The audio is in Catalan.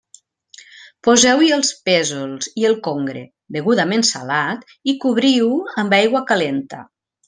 Poseu-hi els pèsols i el congre, degudament salat, i cobriu-ho amb aigua calenta.